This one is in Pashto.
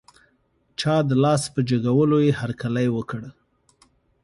چا د لاس په جګولو یې هر کلی وکړ.